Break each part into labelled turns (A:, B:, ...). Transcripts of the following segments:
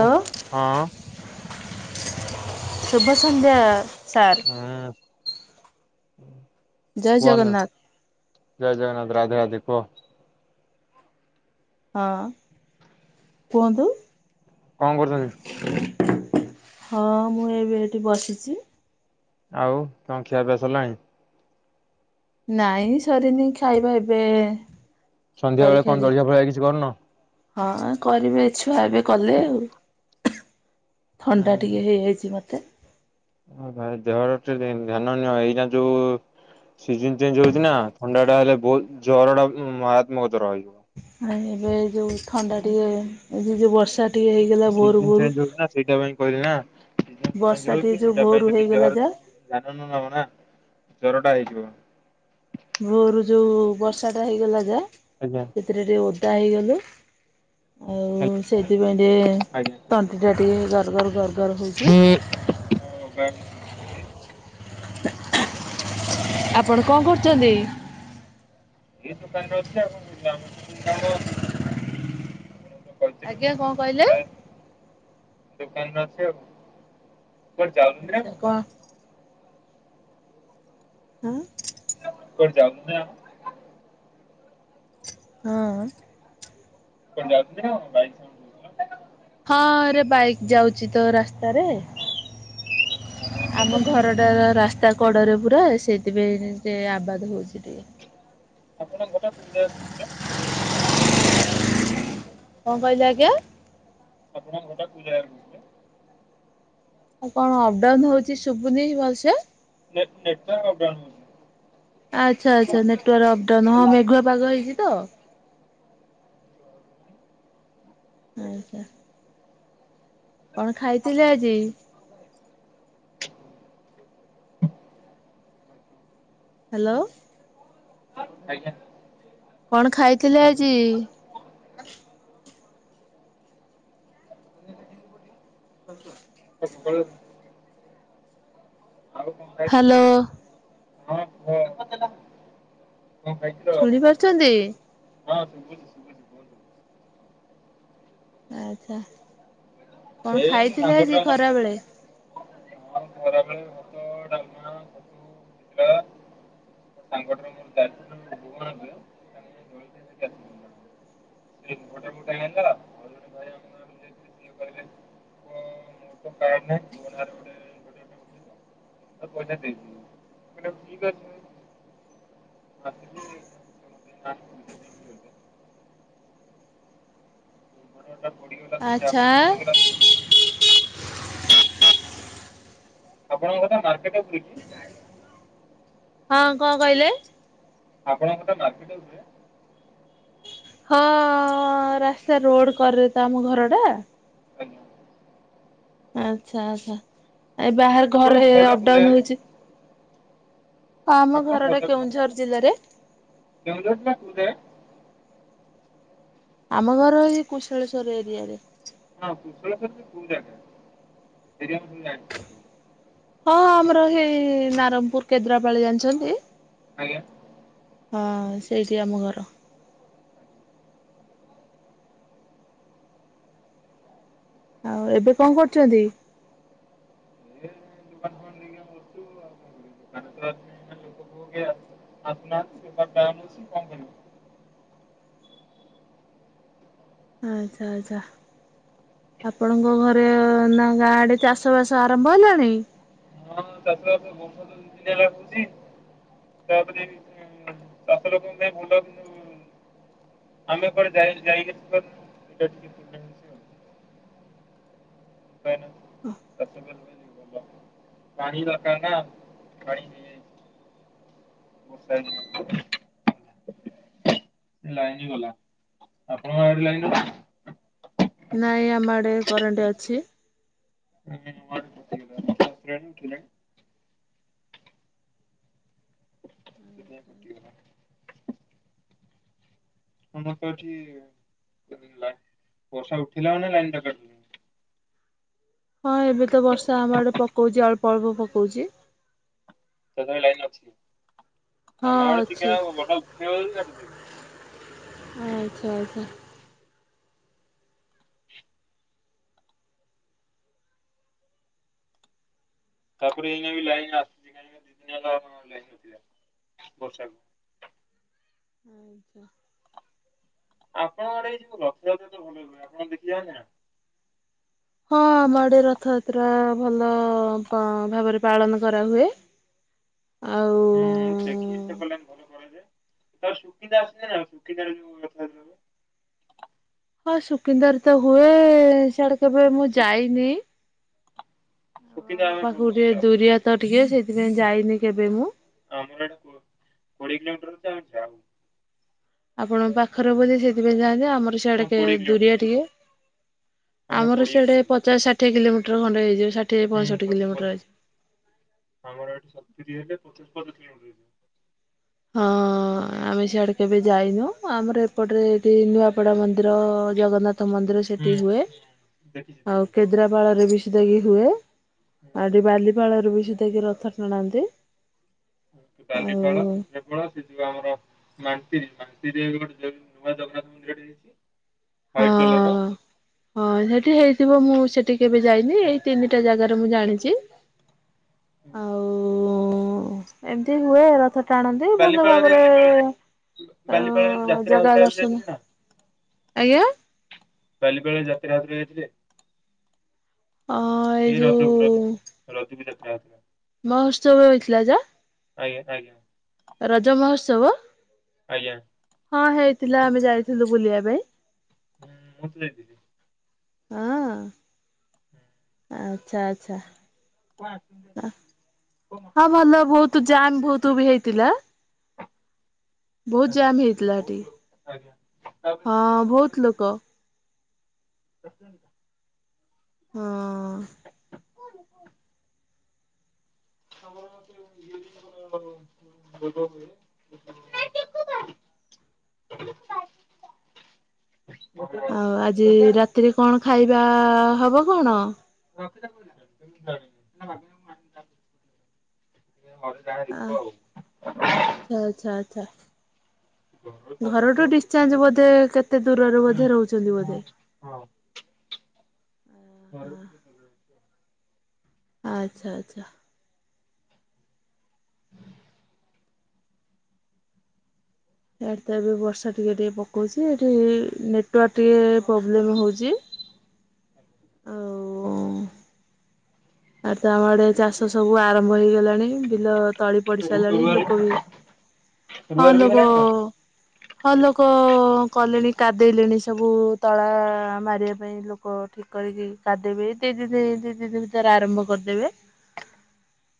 A: ହଁ
B: ଶୁଭାସନ୍ଧ୍ୟ ସାର୍।
A: ହୁଁ
B: ଜୟ
A: କୁହନ୍ତୁ?
B: ଜଗନ୍ନାଥ
A: ଜୟ ଜଗନ୍ନାଥ ରାଧେ ରାଧେ କୁହ?
B: ହଁ କୁହନ୍ତୁ?
A: କଣ କରୁଛନ୍ତି?
B: ହଁ ମୁଁ ଏବେ ଏଠି ବସିଛି।
A: ଆଉ କଣ ଖିିଆ ପିଆ ସରିଲାଣି?
B: ନାଇଁ ସରିନି ଖାଇବା ଏବେ
A: ସନ୍ଧ୍ୟା ବେଳେ
B: ଜଳି
A: କଣ
B: ଖିଆଳି
A: ଜଳଖିଆ ଫଳିଆ କିଛି କରୁନ?
B: ହଁ କରିବେ ଛୁଆ ଏବେ କଲେ ଆଉ ଥଣ୍ଡା ଟିକେ ହେଇଯାଇଛି ମତେ।
A: ହ ଭାଇ ଦେହର ଟିକେ ଧ୍ୟାନ ନିଅ ଏଇଟା ଯୋଉ ସିଜିନ ଚେଞ୍ଜ ହଉଛି ନା ଥଣ୍ଡା ଟା ହେଲେ ବହୁତ ଜର ଟା ମାରତ୍ମକତ ରହିଯିବ।
B: ଆ ଏବେ ଏଇ ଯୋଉ ଥଣ୍ଡା ଟିକେ ଏଇ ଯୋଉ ବର୍ଷା ଟିକେ ହେଇଗଲା ଭୋରୁ
A: ସିଜିନ
B: ଭୋରୁ
A: ଚେଞ୍ଜ ହେଉଛି ନା ସେଇଟା ପାଇଁ କହିଲେ ନା।
B: ବର୍ଷା
A: ଞ
B: ଟିକେ
A: ହଉଛି
B: ଯୋଉ
A: ସେଟା
B: ଭୋରୁ
A: ପାଇଁ ଯଦି
B: ହେଇଗଲା
A: ଜର
B: ଯା
A: ଧ୍ୟନ ନ ନବ ନା ଜର ଟା ହେଇଯିବ।
B: ଭୋରୁ ଯୋଉ ବର୍ଷା ଟା ହେଇଗଲା ଯା।
A: ଆଜ୍ଞା।
B: ସେଥିରେ ଟିକେ ଓଦା ହେଇଗଲୁ, ଆଉ ସେଇଥିପାଇଁ
A: ଆଜ୍ଞା
B: ଟିକେ ତଣ୍ଟିଟା ଟିକେ ଗର ଗର ଗର ଗର ହେଉଛି।
A: ହ ହଉ ବା।
B: ଆପଣ କଣ କରୁଛନ୍ତି?
A: ଏଇ ଦୋକାନ ରେ ଅଛି ଆଉ କଣ କରିବା ଆମର ତ ସେଇ କାମ ଆଉ। ଆପଣକୁ କହିଥିଲି
B: ଆଜ୍ଞା କଣ
A: ମତେ
B: କହିଲେ?
A: ଗୋଟାଏ ଦୋକାନ ଅଛି କୁଆଡେ ଯାଇଥିଲେ ନା କଣ?
B: ହୁଁ।
A: କୁଆଡେ ଯାଉଥିଲେ ଆପଣ?
B: ହଁ।
A: କୁଆଡେ ଯାଉଥିଲେ ନା କଣ ଗାଡି ସାଉଣ୍ଡୁ ଶୁଭୁଥିଲା।
B: ହଁ ରେ ବାଇକ ଯାଉଚି ତ ରାସ୍ତାରେ।
A: [unintelligible]
B: ଆମ
A: ଶୁଭୁଥିଲା।
B: ଘରଟା ରାସ୍ତା କଡରେ ପୁରା ସେଇଥିପାଇଁ ଟିକେ ଆବାଦ ହଉଚି ଟିକେ।
A: ଆପଣଙ୍କ ଘରଟା କଉ ଜାଗା କହୁଥିଲେ?
B: କଁ କହିଲେ ଆଜ୍ଞା?
A: ଆପଣ ଘର ଟା କଉ ଜାଗାରେ କୁହନ୍ତୁ।
B: ଆଉ କଣ ଅପଡାଉନ ହଉଚି ଶୁବୁନି ଭଲସେ?
A: ନେ ନେଟୱାର୍କ ଅପ ଡାଉନୁ ହୋଉଚି।
B: ଆଛା ଆଛା ନେଟୱାର୍କ
A: ଆଜ୍ଞା। ଆଉ
B: ଅପଡାଉନ
A: କଣ
B: ହଁ ମେଘୁଆ ପାଗ ହେଇଚି ତ। ଆଜ୍ଞା। କଣ ଖାଇଥିଲେ ଆଜି? ହାଲୋ।
A: ଆଜ୍ଞା।
B: କଣ ଖାଇଥିଲେ ଆଜି? [unintelligible] ହାଲୋ।
A: ହଁ କୁହ [inaudible] ଖାଇଥିଲ?
B: ଶୁଣି ପାରୁଚନ୍ତି
A: ହଁ ଶୁଭୁଚି ଶୁଭୁଚି କୁହନ୍ତୁ।
B: ଆଛା କଣ
A: ଏଇ ମୋ
B: ଖାଇଥିଲେ ଆଜି
A: ସାଙ୍ଗଟାର
B: ଖରା ବେଳେ?
A: ଖରାବେଳୁ ଭାତ ଡାଲମା ତାଙ୍କଠାରୁ ମୋ ଯାଇଥିଲୁ ଭୁବନେଶ୍ୱର ତାଙ୍କ ଜଳଖିଆ ଖାଇକି ଆସିଲୁ ଦି ଜାଣିଚ ମତେ ଜଣେ କହିଲେ ମୁଁ ଯାଇଥିଲି ସିଏ କହିଲେ ମୁଁ ମୁଁ ତ କାଡନାହିଁ।
B: [inaudible]
A: ଆଉ ପଇସା ଦେଇଦେଲି ମାନେ ଠିକ୍ ଅଛି। [unintelligible] [unintelligible] ମୋର ଟା ପଢିଗଲା ସେମିତି
B: ଆଚ୍ଛା
A: ଆଗକୁ ପଢିଗଲା। ଆପଣଙ୍କ ଘରଟା ମାର୍କେଟ ଉପରେ କି?
B: ହଁ କଁ କହିଲେ?
A: ଆପଣଙ୍କ ଘରଟା ମାର୍କେଟ ଉପରେ
B: ହଁ ରାସ୍ତା ରୋଡ କରରେ ତ ଆମ ଘର ଟା।
A: ଆଜ୍ଞା
B: ଆଛା ଆଛା ଏ ବାହାରେ ଘରେ
A: ଆପଣଙ୍କ ଘରଟା କୋଉ
B: ଅପଡାଉନ
A: ଜାଗାରେ
B: ହେଇଚି। ହଁ ଆମ
A: ଆପଣ
B: ଘର ଟା
A: କଟକ
B: କେଉଁଝର ଜିଲ୍ଲାରେ।
A: କେଉଁଝର ଜିଲ୍ଲା କଉ ଜାଗା?
B: ଆମ ଘର ଏଇ କୁଶଳେଶ୍ୱର ଏରିଆରେ।
A: ହଁ କୁଶଳେଶ୍ଵର ର କଉ ଜାଗା ସେରି ଆମ ଜାଣି ସବୁ ଜାଣିଚୁ।
B: ହଁ ଆମର ହେଇ ନାରଙ୍ଗପୁର କେଦ୍ରାପାଳି ଜାଣିଚନ୍ତି?
A: ଆଜ୍ଞା
B: ହଁ ସେଇଠି ଆମ ଘର। ଆଉ ଏବେ କଁ କରୁଚନ୍ତି?
A: ଏ [unintelligible] [unintelligible] [unintelligible]
B: ଆଚ୍ଛା ଆଚ୍ଛା ଆଛା। ଆପଣଙ୍କ ଘରେ ନା ଗାଁ ଆଡେ ଚାଷ ବାସ ଆରମ୍ଭ ହେଲାଣି?
A: ହଁ ଚାଷ ବାଷ ବର୍ଷା ଦିନ ହେଲା କହୁଛି [unintelligible] ତାପରେ ଚାଷ ଲୋକ ଙ୍କ ପାଇଁ ବୋଲା [unintelligible] ଆମେ କୁଆଡେ ଯାଇ ଆସି ପାରୁନୁ। ପାଣି ଦରକାର ନା ପାଣି [unintelligible] [unintelligible] ଲାଇନ ଗଲା, ଆପଣଙ୍କ ଆଡ଼େ ଲାଇନ ଅଛି?
B: ନାଇଁ ଆମ ଆଡେ କରେଣ୍ଟ ଅଛି।
A: [unintelligible] ସେ କଣ କଟିଗଲା। ଆମର ଏଠି ବର୍ଷା ଉଠିଲା ମାନ ଲାଇନ୍ କାଟି ଦଉଛି।
B: ହଁ ଏବେ ତ ବର୍ଷା ଆମ ଆଡେ ପକଉଛି ଅଳ୍ପ ଅଳ୍ପ ପକଉଛି।
A: ତଥାପି ଲାଇନ୍ ଅଛି,
B: ହଁ
A: ଆମ ଆଡେ ଟିକେ
B: ଅଛି
A: ନାକୁ ବର୍ଷା ଉଠେଇଲେ ଲାଇନ କାଟି ଦଉଛି।
B: ହୁଁ ଆଚ୍ଛା ଆଚ୍ଛା।
A: ତାପରେ ଏଇ ବି ଲାଇନ୍ ଆସୁଛି କାହିଁକ ଦି ଦିନ ହେଲା ଲାଇନ ନଥିଲା ବର୍ଷାକୁ
B: [inaudible]
A: ଆପଣଙ୍କର ଆଡ଼େ ଯୋଉ ରଥଯାତ୍ରା ତ ଭଲ ହୁଏ ନା ଆପଣ ଦେଖିବା ନା
B: ହଁ ଆମ ଆଡେ ରଥଯାତ୍ରା ଆ ଭଲ ଅ ଭାବରେ ପାଳନ କରାହୁଏ।
A: [inaudible]
B: ଆଉ
A: ହୁଁଁ ଦେଖିକି ସେ କିଲ ଭଲ କରାଯାଏ ତ ସୁକିନ୍ଦା ଆସନ ନା ସୁକିନ୍ଦ ଯୋ କଥା [inaudible]
B: ହଁ ସୁକିନ୍ଦାର ତ ହୁଏ ଏ ସେଆଡେ କେବେ ମୁଁ
A: ସୁକି-
B: ଯାଇନି। ଆଉ
A: ସୁକିନ୍ଦା
B: ଆମ
A: ଆମେ ସବୁ
B: ପାଖକୁ
A: ବର୍ଷ
B: ଟିକେ
A: ଯାଉ
B: ଦୁରିଆତ ଟିକେ ସେଇଥିପାଇଁ ଯାଇନି କେବେ ମୁଁ।
A: ଆମର ଏଇଟା କୋଡିଏ କିଲୋମିଟର ଯାଉନୁ ଆଉ।
B: ଆପଣଙ୍କ ପାଖରେ ବଧେ ସେଥିପାଇଁ ଯାଆନ୍ତି ଆମର ସିଆଡେ
A: ହଁ
B: ଟିକେ
A: କୋଡ଼ିଏ
B: ଦୁରିଆ
A: କିଲୋମିଟର
B: ଟିକେ। ଆମର
A: କୋଡ଼ିଏ
B: ସିଆଡ଼େ
A: କିଲୋମିଟର ହଉଛି।
B: ପଚାଶ ଷାଠିଏ କିଲୋମିଟର ଖଣ୍ଡେ ହେଇଯିବ ଷାଠିଏ ପଞ୍ଚଷଠି
A: ହୁଁ
B: କିଲୋମିଟର
A: ପଚାଶ
B: ହେଇଯିବ।
A: ଆମର ଏଠି ସତୁରି ହେଲେ ପଚାଷ୍ଟୋରୀ କିଲୋମିଟର ହେବ।
B: ହଁ। ଆମେ ସିଆଡେ କେବେ ଯାଇନୁ ଆମର ଏପଟରେ ଏଠି ନୂଆପଡା ମନ୍ଦିର ର ଜଗନ୍ନାଥ ମନ୍ଦିର।
A: ହୁଁ
B: ସେଠି ହୁଏ,
A: ହୁଁ ଦେଖିଛି
B: ଆଉ
A: ଦେଖିଛି ଦେଖିଛି।
B: କେଦ୍ରାପାଳରେ ବି ସେଟା କିି ହୁଏ, ଆଉ ଏଠି ବାଲିପାଳରେ ବି ସେଟା କିି ରଥ ଟାଣାନ୍ତି।
A: ବାଲିପାଳ କେବଳ ସେ ଯିବଉ ଆମର ମାନ୍ତିର ମାନ୍ତିର ଗୋଟେ ଯ ନୂଆ ଜଗନ୍ନାଥ ମନ୍ଦିର ଟିଏ ୱାଇଟ କଲର୍ ର।
B: ହଁ ସେଠି ହେଇଥିବ ମୁଁ ସେଠି କେବେ ଯାଇନି ଏଇ ତିନିଟା ଜାଗାରେ ମୁଁ ଜାଣିଛି। ଆଉ-ଉ-ଉ-ଉ--ଏମତି ହୁଏ ରଥ ଟ ଟାଣନ୍ତି ଭଲ
A: ବାଲିପାଳରେ
B: ଭାବରେ
A: ଯୋଉ
B: ରେ-ରେ ଅ
A: ବାଲିପାଳରେ ଯାତ୍ରା
B: ଜାଗା
A: ହଉଥିଲା ଏବେ
B: ଦର୍ଶନ
A: ଯାଇଥିଲେ ନା
B: ଆଜ୍ଞା।
A: କାଲିପାଲ ଯାତ୍ରୀ ଆଉ ଥରେ ଯାଇଥିଲେ?
B: ଅ
A: ଏଇ ରଜ
B: ଯୋଉ
A: ରଜ ରଜକୁ ଯାତ୍ରା ଯଉଥିଲା।
B: ମହୋତ୍ସବ ହେଇଥିଲା ଯେ
A: ଆଜ୍ଞା ଆଜ୍ଞା।
B: ରଜ ମହୋତ୍ସବ।
A: ଆଜ୍ଞା।
B: ହଁ ହେଇଥିଲା ଆମେ ଯାଇଥିଲୁ ବୁଲିବା ପାଇଁ।
A: ହୁଁ [unintelligible]
B: ଅଁ ଆଚ୍ଛା ଆଚ୍ଛା। ହଁ ଭଲ ବହୁତ ଜାମ୍ ବହୁତ ବି ହେଇଥିଲା। ବହୁତ
A: ଆଜ୍ଞା
B: ଜାମ୍
A: ସେଠି
B: ହେଇଥିଲା ହେଠି।
A: ବହୁତ ଲୋକ ଆଜ୍ଞା,
B: ହଁ ବହୁତ
A: [unintelligible]
B: ଲୋକ
A: [unintelligible]
B: ହଁ।
A: [unintelligible]
B: ଆଉ ଆଜି
A: [unintelligible]
B: ରାତିରେ କଣ ଖାଇବା ହବ କଣ?
A: [unintelligible]
B: ଆଁ,
A: ଆଉ
B: ଆଚ୍ଛା, ଆଚ୍ଛା, ଆଚ୍ଛା।
A: ଘରର ସାନ ପୁଅ
B: ଘରଠୁ
A: ହୁଁ।
B: ଡିଶ୍ଚାଞ୍ଜ ବୋଧେ କେତେ ଦୂରରେ ବୋଧେ ରହୁଛନ୍ତି
A: ହଁ
B: ବୋଧେ?
A: ହଁ। [unintelligible]
B: ଆଚ୍ଛା ଆଚ୍ଛା। ଏୟାଡ଼ ତ ଏବେ ବର୍ଷା ଟିକେ ଟିକେ ପକଉଛି ଏଠି ନେଟୱାର୍କ ଟିକେ ପ୍ରୋବ୍ଲେମ ହଉଛି। ଆଉ ଆଉ ତ ଆମ ଆଡେ ଚାଷ ସବୁ ଆରମ୍ଭ ହେଇଗଲାଣି, ବିଲ ତଳି ପଡି
A: ଆଉ।
B: ସାରିଲାଣି,
A: ରୁଆ
B: ଲୋକବି, ହଁ
A: ରୁଆ ରୁଇ
B: ଲୋକ
A: ହେଲାଣି ନା?
B: ହଁ ଲୋକ କଲେଣି କାଦେଇଲେଣି ସବୁ ତଳା ମାରିବା ପାଇଁ। ଏ ଲୋକ ଠିକ୍ କରିକି କାଦେଇବେ ଏଇ ଦି ଦିନି, ଦି ଦିନି ଦି ତିନି ଦିନି ଭିତରେ ଆରମ୍ଭ କରିଦେବେ।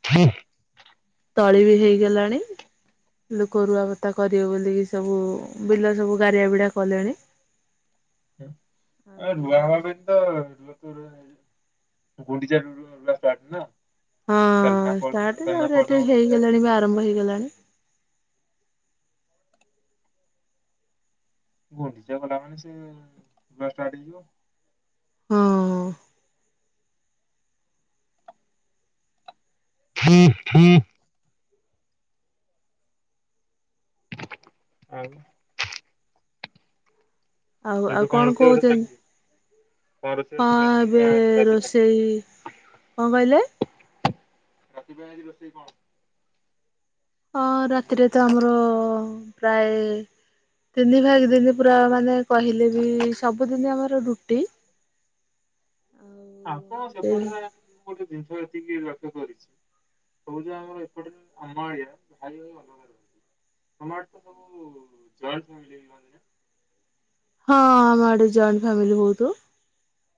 A: [inaudible]
B: ତଳି ବି ହେଇଗଲାଣି। ଲୋକ ରୁଆପତା କରିବେ ବୋଲିକି ସବୁ ବିଲ ସବୁ ଗାରିଆ ବିିଡା କଲେଣି।
A: ଆ ରୁଆ ହବ ପାଇଁ ତ [unintelligible]
B: ହଁ ଷ୍ଟାର୍ଟ ତାପରେ ଏଠି ହେଇଗଲାଣି ବି
A: [unintelligible]
B: ଆରମ୍ଭ ହେଇଗଲାଣି।
A: ଗୁଣ୍ଡିଚା ଗଲା ମାନେ ସିଏ ରୁଆ ଷ୍ଟାଟ୍ ହେଇଯିବ।
B: ହଁ
A: [inaudible] ଆଜ୍ଞା।
B: ଆଉ ଆଉ
A: ସେଉଟୁ କଣ ରୋଷେଇ ବାସ
B: କହୁଛନ୍ତି
A: ଚାଲିଚି? କଣ ରୋଷେଇ
B: ହଁ
A: ବାସ ଚାଳିଛି
B: ଏବେ
A: ଏଇନା ରାତି ପାଇଁ?
B: ରୋଷେଇ କଣ କହିଲେ?
A: ରାତି ପାଇଁ ଆଜି ରୋଷେଇ କଣ?
B: ହଁ ରାତିରେ ତ ଆମର ପ୍ରାୟ ତିନି ଭାଗେ ଦିନି ପୁରା ମାନେ କହିଲେ ବି ସବୁଦିନ ଆମର ରୁଟି। ଆଉ
A: ଆପଣ ସେପଟରେ ମୁଁ ଗୋଟେ ଜିନିଷ ଏତିକି ଲକ୍ଷ୍ୟ କରିଛି। କହୁଚି ପା ଆମର ଏପଟରେ ଆମ ଆଳିଆ ଭାଇ ଭାଇ ଅଲଗା ରହୁ ତମ ଆଡେ ସବୁ ଜଏଣ୍ଟ ପ୍ୟାମିଲି ରୁହନ୍ତି ନା?
B: ହଁ ଆମ ଆଡେ ଜଏଣ୍ଟ ଫ୍ୟାମିଲି ବହୁତ।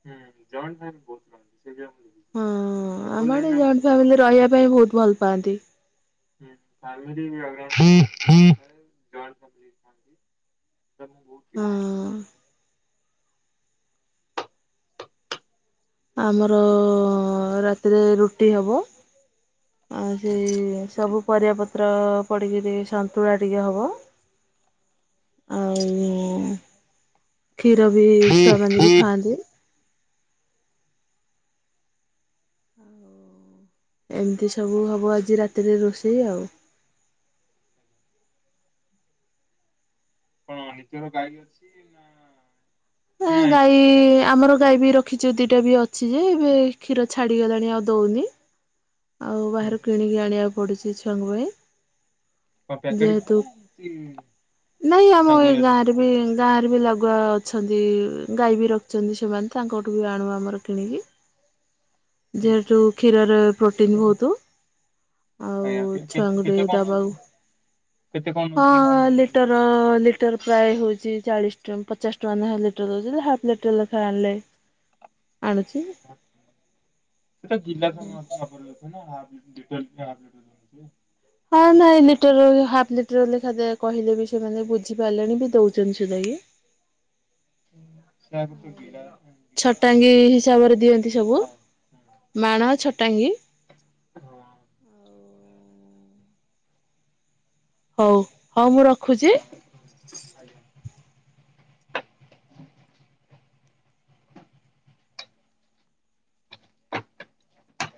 A: ହୁଁ ଜଏଣ୍ଟ ପ୍ୟାମିଲି ବହୁତ ରହନ୍ତି ସେ ଜା ମୁଁ
B: ହଁ ଆମ ଆଡେ ଜଏଣ୍ଟ ଫାମିଲି ରହିବା ପାଇଁ ବହୁତ ଭଲ ପାଆନ୍ତି।
A: ହ [unintelligible] [unintelligible]
B: ହଁ ଆମର ରାତିରେ ରୁଟି ହବ। ଆ
A: ହୁଁ ହୁଁ
B: ସେଇ ସବୁ ପରିବା ପତ୍ର ପଡିକି ଟିକେ ସନ୍ତୁଳା ଟିକେ ହବ। ଆଉ କ୍ଷୀର ବି ଛୁଆମାନେ ବି ଖାଆନ୍ତି। ଏମିତି ସବୁ ହେବ ଆଜି ରାତିରେ ରୋଷେଇ ଆଉ।
A: କଣ ଆପଣଙ୍କର ଗାଈ ଅଛି ନା କିଣା ହେଇକି
B: ଗାଈ
A: ଆସିଛି?
B: ଆମର ଗାଈ ବି ରଖ ରଖିଚୁ ଦିଇଟା ବି ଅଛି ଯେ ଏବେ କ୍ଷୀର ଛାଡ଼ିଗଲାଣି ଆଉ ଦୋଉନି। ଆଉ
A: ହୁଁ
B: ବାହାରୁ
A: ହୁଁ
B: କିଣିକି ଆଣିବାକୁ ପଡୁଛି ଛୁଆଙ୍କ ପାଇଁ।
A: କଣ ପ୍ୟାକେଟ କ୍ଷୀର
B: ଯେହେତୁ
A: ନା ଏମିତି
B: ନାଇଁ
A: ନା
B: ଆମ ଏ
A: ଗୋରୁ ହୁଁ
B: ଗାଁରେ ବି ଗାଁରେ ବି ଲାଗୁଆ ଅଛନ୍ତି ଗାଈ ବି ରଖିଛନ୍ତି ସେମାନେ ତାଙ୍କଠୁ ବି ଆଣୁ ଆମର କିଣିକି।
A: ହୁଁ।
B: ଯେହେତୁ କ୍ଷୀରରେ ପ୍ରୋଟିନ୍ ବହୁତ। ଆଉ
A: ଆଜ୍ଞା କେ- କେ-
B: ଛୁଆଙ୍କୁ
A: କେତେ
B: ଟିକେ
A: କଣ
B: ଦବାକୁ
A: ନଉଛନ୍ତି କେତେ କଣ ନଉଛନ୍ତି
B: ହଁ
A: ସେମାନେ? ଏ ଯୋଉ
B: ଲିଟର ଲ ଲିଟର ପ୍ରାୟ ହଉଛି ଚାଳିଶ ଟଙ୍କା ପଚାଶ ଟଙ୍କା ନାଁ ଖେ ଲିଟର ନଉଛନ୍ତି ହାପ ଲିଟର ଲେଖାଏ ଆଣିଲେ ଆଣୁଛି।
A: ସେଟା ଗିଲାସ ମାପରେ ଦଉ ଥିବେ ନା [unintelligible]
B: ହଁ ନାଇ ଲିଟର ହାପ ଲିଟର ଲେଖା ଦ କହିଲେ ବି ସେମାନେ ବୁଝିପାରିଲେଣି ବି ଦଉଛନ୍ତି ସୁଧାଗି।
A: [unintelligible]
B: ଛଟାଙ୍ଗୀ ହିସାବରେ ଦିଅନ୍ତି
A: ଦଉଥିବେ।
B: ସବୁ
A: ହଁ
B: ମାଣ ଛଟାଙ୍ଗୀ।
A: ହଁ।
B: ହଉ ହଉ ମୁଁ ରଖୁଛି।
A: ଆଜ୍ଞା।